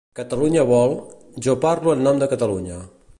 Catalunya vol’, ‘jo parlo en nom de Catalunya’.